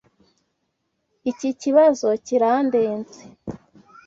Iki kibazo kirandenze.